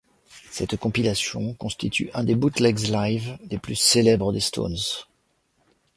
Cette compilation constitue un des bootlegs live les plus célèbres des Stones.